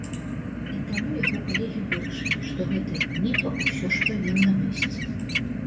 І таму яго калегі вырашылі, што гэтая кніга ўсё ж павінна выйсці.